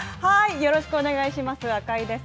よろしくお願いします。